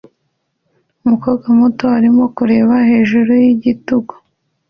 Umukobwa muto arimo kureba hejuru yigitugu